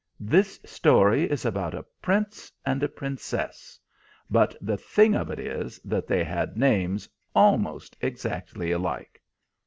This story is about a Prince and a Princess, but the thing of it is that they had names almost exactly alike.